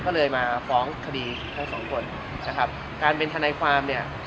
เลยมาฟ้องคดีทั้งสองคนค่ะการเป็นทันายความ